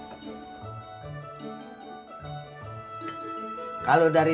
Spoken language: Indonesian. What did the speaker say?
tidak ada yang ngerti